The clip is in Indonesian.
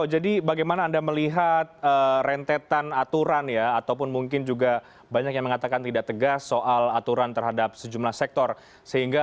jadi di indonesia sekarang